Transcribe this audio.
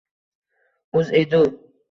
uzedu